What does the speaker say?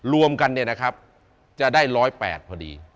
รวมกันเนี่ยนะครับจะได้๑๐๘พอดี